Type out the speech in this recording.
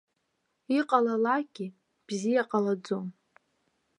Иҟалалакгьы, бзиа ҟалаӡом.